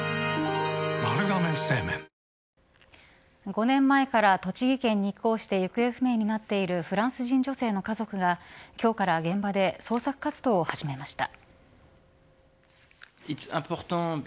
５年前から、栃木県日光市で行方不明になっているフランス人女性の家族が今日から現場で捜索活動を始めました。